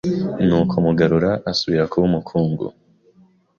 Nuko Mugarura asubira kuba umukungu,